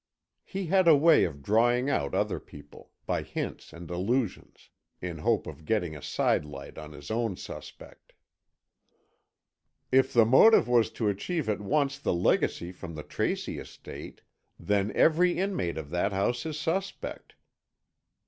He had a way of drawing out other people, by hints and allusions, in hope of getting a side light on his own suspect. "If the motive was to achieve at once the legacy from the Tracy estate, then every inmate of that house is suspect.